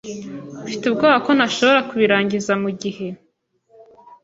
Mfite ubwoba ko ntashobora kubirangiza mugihe.